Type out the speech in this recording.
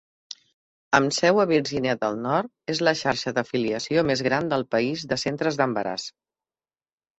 Amb seu a Virgínia del Nord, és la xarxa d'afiliació més gran del país de centres d'embaràs.